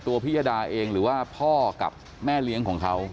พิยดาเองหรือว่าพ่อกับแม่เลี้ยงของเขา